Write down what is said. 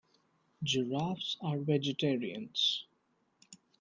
Giraffes are vegetarians.